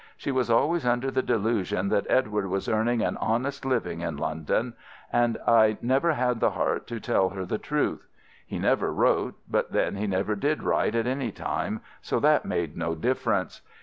She was always under the delusion that Edward was earning an honest living in London, and I never had the heart to tell her the truth. He never wrote; but, then, he never did write at any time, so that made no difference.